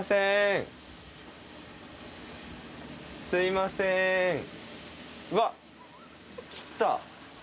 すいませーん。